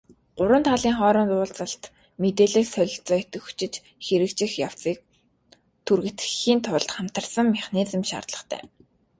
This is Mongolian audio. Гурван талын хооронд уулзалт, мэдээлэл солилцоо идэвхжиж, хэрэгжих явцыг түргэтгэхийн тулд хамтарсан механизм шаардлагатай.